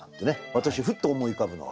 私ふっと思い浮かぶのは。